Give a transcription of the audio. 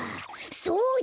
そうだ！